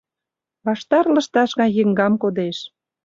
Ваштар лышташ гай еҥгам кодеш